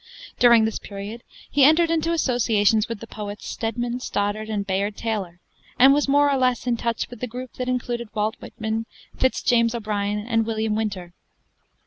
During this period he entered into associations with the poets Stedman, Stoddard, and Bayard Taylor, and was more or less in touch with the group that included Walt Whitman, Fitz James O'Brien, and William Winter.